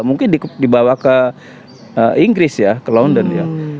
mungkin dibawa ke inggris ya ke london ya